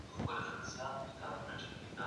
د سیاسي ژوند سره د مدني ټولنې اړیکې ډېرې اړینې دي.